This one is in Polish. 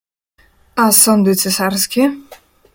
A sądy cesarskie?